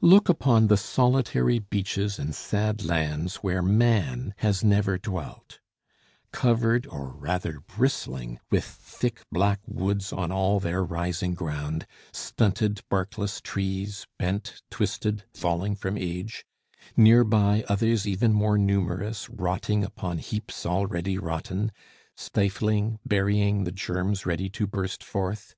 Look upon the solitary beaches and sad lands where man has never dwelt: covered or rather bristling with thick black woods on all their rising ground, stunted barkless trees, bent, twisted, falling from age; near by, others even more numerous, rotting upon heaps already rotten, stifling, burying the germs ready to burst forth.